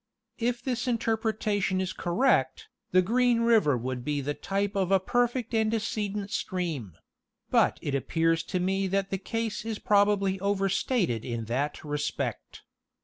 If this interpreta tion is correct, the Green river would be the type of a perfect antecedent stream : but it appears to me that the case is proba bly overstated in that respect.